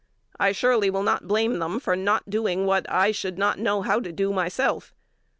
_I surely will not blame them for not doing what I should not know how to do myself.